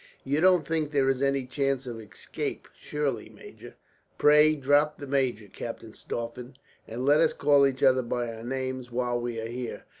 "You don't think there is any chance of escape, surely, major?" "Pray, drop the major, Captain Stauffen, and let us call each other by our names, while we are here.